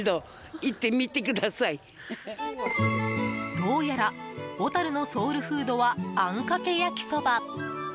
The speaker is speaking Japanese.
どうやら小樽のソウルフードはあんかけ焼きそば。